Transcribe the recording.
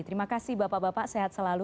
terima kasih bapak bapak sehat selalu